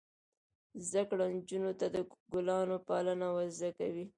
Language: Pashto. زده کړه نجونو ته د ګلانو پالنه ور زده کوي.